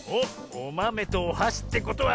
おまめとおはしってことは。